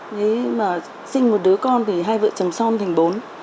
thế mà sinh một đứa con thì hai vợ chồng son thành bốn